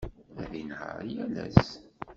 Ad inehheṛ yal ass.